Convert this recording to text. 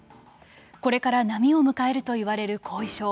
これから波を迎えるといわれる後遺症。